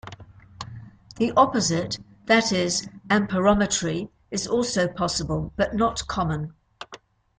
The opposite, that is, amperometry, is also possible but not common.